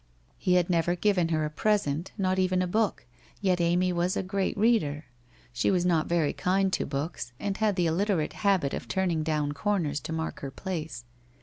He had never given her a present, not even a book, yet Amy was a great reader. She was not very kind to books and had the illiterate habit of turn ing down corners to mark her place.